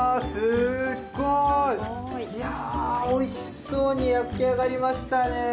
すごい！いやおいしそうに焼き上がりましたね。